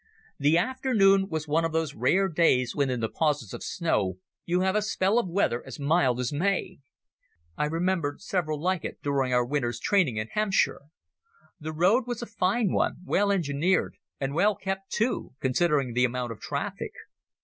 The afternoon was one of those rare days when in the pauses of snow you have a spell of weather as mild as May. I remembered several like it during our winter's training in Hampshire. The road was a fine one, well engineered, and well kept too, considering the amount of traffic.